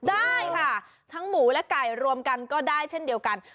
ได้ค่ะทั้งหมูและไก่รวมกันก็ได้เช่นเดียวกัน